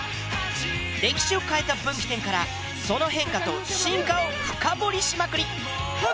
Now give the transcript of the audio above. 歴史を変えた分岐点からその変化と進化を深掘りしまくり！